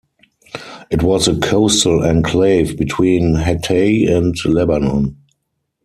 It was a coastal enclave between Hatay and Lebanon.